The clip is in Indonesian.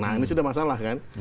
nah ini sudah masalah kan